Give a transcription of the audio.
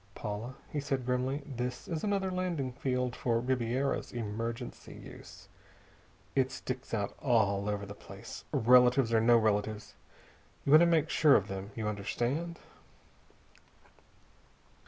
"Paula," he said grimly, "this is another landing field for Ribiera's emergency use. It sticks out all over the place. Relatives or no relatives, you want to make sure of them. You understand?"